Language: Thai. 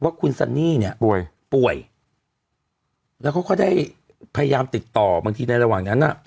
ว่าคุณซันนี่เนี่ยป่วยป่วยแล้วเขาก็ได้พยายามติดต่อบางทีในระหว่างนั้นน่ะ